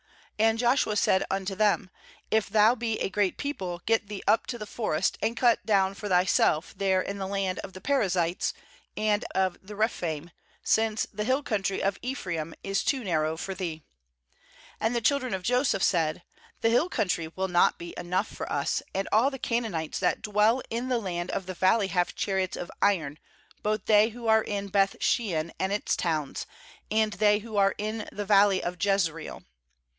"And Joshua said unto them: 'If thou be a great peo ple, get thee up to the forest, and cut down for thyself there in the land of the Perizzites and of the Rephaim; since the hill country of Ephraim .is too narrow for thee.' 16And the chil dren of Joseph said :' The hill couixtry will not be enough for us; and all the 17.16 JOSHUA Canaanites that dwell in the land of the valley have chariots of iron, both they who are in Beth shean and its towns, and they who are in the val ley of Jezreel.'